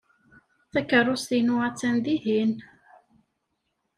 Takeṛṛust-inu attan dihin.